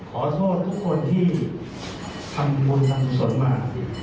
ขอโทษทุกคนที่ทำบุญลังสนมา